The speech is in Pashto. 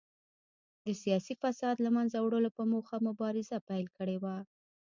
د سیاسي فساد له منځه وړلو په موخه مبارزه پیل کړې وه.